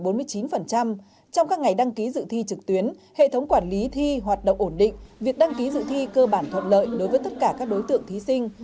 trong các ngày đăng ký dự thi trực tuyến hệ thống quản lý thi hoạt động ổn định việc đăng ký dự thi cơ bản thuận lợi đối với tất cả các đối tượng thí sinh